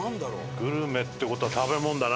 グルメって事は食べ物だな！